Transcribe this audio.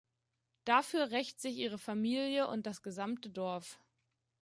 Dafür rächt sich ihre Familie und das gesamte Dorf.